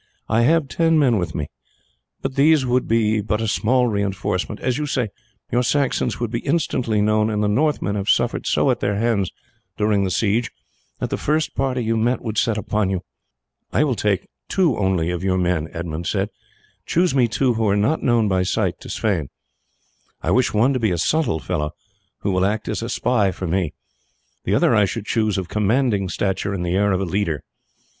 I have ten men with me, but these would be but a small reinforcement. As you say, your Saxons would be instantly known, and the Northmen have suffered so at their hands during the siege that the first party you met would set upon you." "I will take two only of your men," Edmund said. "Choose me two who are not known by sight to Sweyn. I wish one to be a subtle fellow, who will act as a spy for me; the other I should choose of commanding stature; and the air of a leader.